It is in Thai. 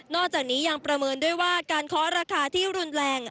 จากนี้ยังประเมินด้วยว่าการเคาะราคาที่รุนแรง